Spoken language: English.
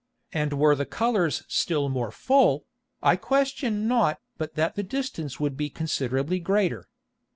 And were the Colours still more full, I question not but that the distance would be considerably greater.